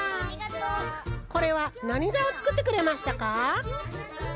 これはなにざをつくってくれましたか？